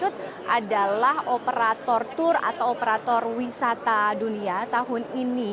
tersebut adalah operator tour atau operator wisata dunia tahun ini